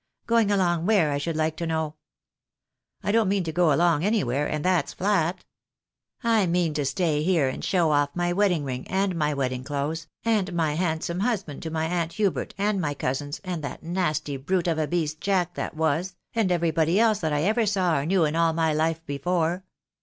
Going along where, I should like to know ? I don't mean to go along anywhere, and that's flat. I mean to stay here, and show off my wedding ring and my wedding clothes, and my handsome husband, to my aunt Herbert, and my cousins, and that nasty brute of a beast. Jack that was, and everybody else that I ever saw or knew in all my Ufe before.